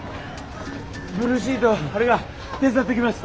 ブルーシート張るが手伝ってきます。